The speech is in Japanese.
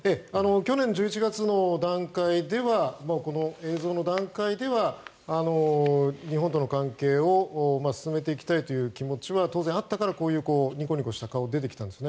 去年１１月の段階ではこの映像の段階では日本との関係を進めていきたいという気持ちは当然、あったからこういうニコニコした顔で出てきたんですね。